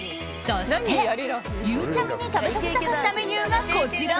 そして、ゆうちゃみに食べさせたかったメニューがこちら。